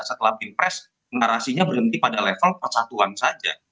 setelah pilpres narasinya berhenti pada level persatuan saja